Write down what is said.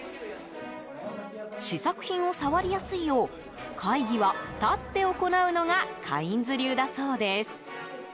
試作品を触りやすいよう会議は立って行うのがカインズ流だそうです。